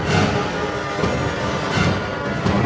สิ่งบรรณากไดร์